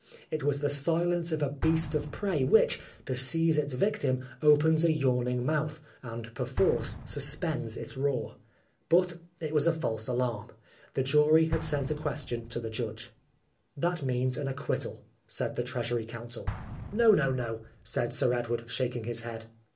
It was the silence of a beast of prey which, to seize its victim, opens a yawning mouth, and perforce suspends its roar. But it was a false alarm. The jury had sent a question to the judge. " That means an acquittal," said the Treasury counsel. "No, no, no," said Sir Edward, shaking his head.